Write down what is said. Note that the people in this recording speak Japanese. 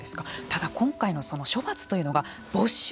ただ今回のその処罰というのが没収